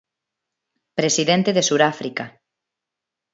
Presidente de Suráfrica.